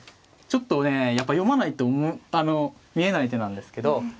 ちょっとね読まないと見えない手なんですけど。